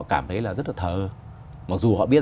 cảm thấy là rất là thờ ơ mặc dù họ biết